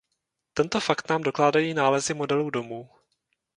Tento fakt nám dokládají nálezy modelů domů.